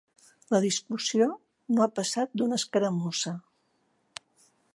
La discussió no ha passat d'una escaramussa.